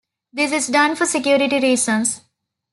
This is done for security reasons.